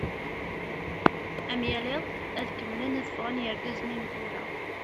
Am yal iḍ, ad kemmlen ad fɣen yergazen ineggura.